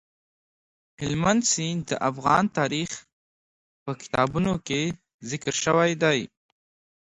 هلمند سیند د افغان تاریخ په کتابونو کې ذکر شوی دي.